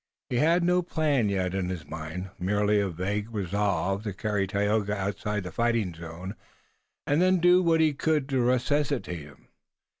He had no plan yet in his mind, merely a vague resolve to carry Tayoga outside the fighting zone and then do what he could to resuscitate him.